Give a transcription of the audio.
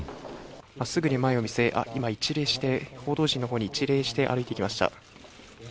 まっすぐに前を見据え、あっ、今、一礼して報道陣のほうに一礼して歩いていきました。